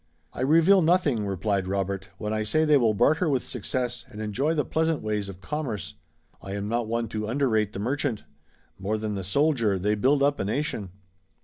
"I reveal nothing," replied Robert, "when I say they still barter with success and enjoy the pleasant ways of commerce. I am not one to underrate the merchant. More than the soldier they build up a nation."